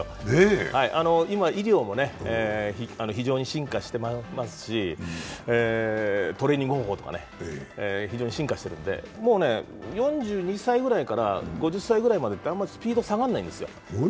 今、医療も非常に進化していますし、トレーニング方法とか非常に進化してるんでもうね、４２歳ぐらいから５０歳ぐらいまでってあまりスピード、下がらないんですよ。